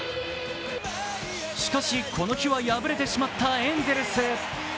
しかし、この日は敗れてしまったエンゼルス。